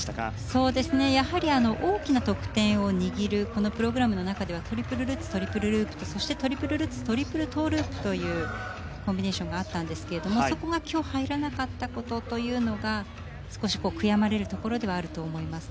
そうですねやはり大きな得点を握るこのプログラムの中ではトリプルルッツトリプルループとそしてトリプルルッツトリプルトウループというコンビネーションがあったんですけれどもそこが今日入らなかった事というのが少し悔やまれるところではあると思います。